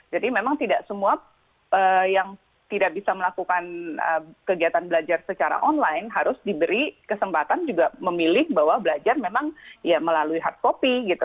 jadi memang tidak semua yang tidak bisa melakukan kegiatan belajar secara online harus diberi kesempatan juga memilih bahwa belajar memang ya melalui hard copy gitu